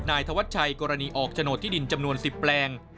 ธวัชชัยกรณีออกโฉนดที่ดินจำนวน๑๐แปลง